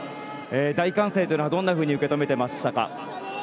大歓声はどんなふうに受け止めていましたか？